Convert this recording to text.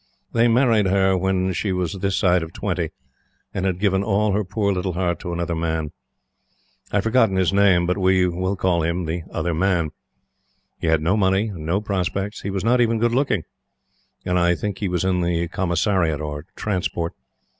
They married her when she was this side of twenty and had given all her poor little heart to another man. I have forgotten his name, but we will call him the Other Man. He had no money and no prospects. He was not even good looking; and I think he was in the Commissariat or Transport.